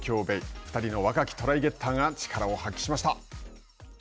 ２人の若きトライゲッターが力を発揮しました。